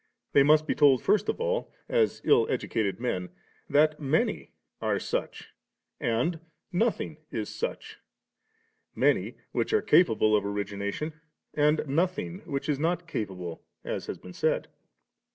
they must be told first of all, as ill educated men, that many are such and nothing is such, many, which are capable of origination, and nothing, which is not capable, as has been said.